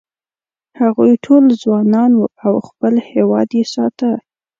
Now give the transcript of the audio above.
هغوی ټول ځوانان و او خپل هېواد یې ساته.